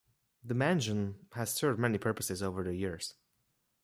The Mansion has served many purposes over the years.